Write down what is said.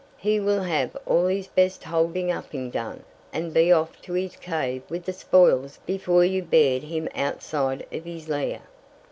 He will have all his best holding up ing done and be off to his cave with the spoils before you beard him outside of his lair."